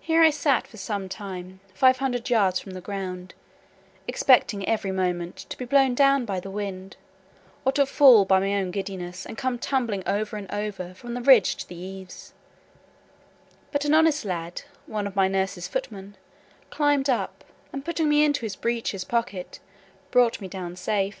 Here I sat for some time, five hundred yards from the ground, expecting every moment to be blown down by the wind, or to fall by my own giddiness, and come tumbling over and over from the ridge to the eaves; but an honest lad, one of my nurse's footmen, climbed up, and putting me into his breeches pocket, brought me down safe.